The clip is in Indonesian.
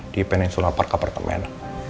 di peninsular park apartemen